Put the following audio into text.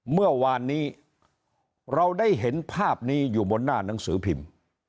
เมื่อวานนี้เราได้เห็นภาพนี้อยู่บนหน้าหนังสือพิมพ์